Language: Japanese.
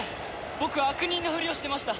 僕は悪人のふりをしてました。